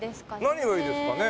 何がいいですかね？